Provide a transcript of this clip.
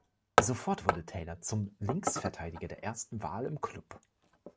Sofort wurde Taylor zum Linksverteidiger der ersten Wahl im Club.